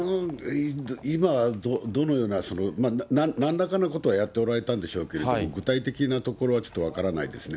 今はどのような、なんらかのことはやっておられたんでしょうけども、具体的なところはちょっと分からないですね。